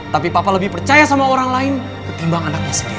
tapi papa lebih percaya sama orang lain ketimbang anaknya sendiri